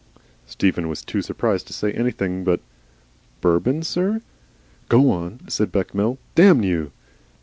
Stephen was too surprised to say anything but "Bourbon, sir?" "Go on," said Bechamel. "Damn you!"